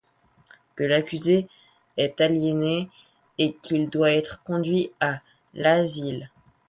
Que l'accusé est aliéné et qu'il doit être conduit à l'asile.